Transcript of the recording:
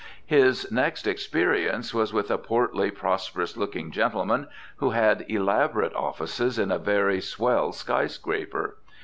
His next experience was with a portly, prosperous looking gentleman who had elaborate offices in a very swell skyscraper.